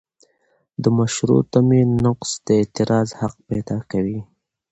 د مشروع تمې نقض د اعتراض حق پیدا کوي.